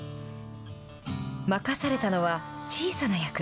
任されたのは小さな役。